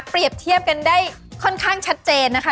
เทียบกันได้ค่อนข้างชัดเจนนะคะ